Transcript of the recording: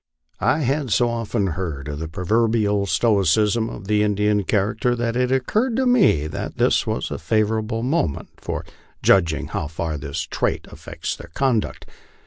I had so often heard of the proverbial stoicism of the Indian character, that it occurred to me that this was a favorable moment for judging how far this trait affects their conduct.